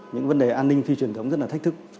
những vấn đề an ninh phi truyền thống rất là thách thức